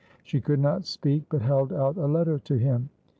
She could not speak, but held out a letter to him.